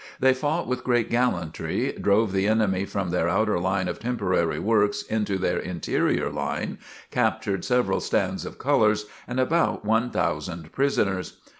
They fought with great gallantry, drove the enemy from their outer line of temporary works into their interior line, captured several stands of colors and about one thousand prisoners.